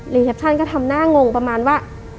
แคปชั่นก็ทำหน้างงประมาณว่า